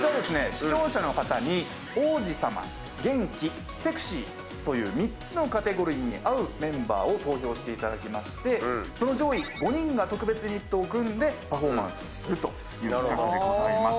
視聴者の方に「王子様」「元気」「セクシー」という３つのカテゴリーに合うメンバーを投票していただきましてその上位５人が特別ユニットを組んでパフォーマンスをするという企画でございます。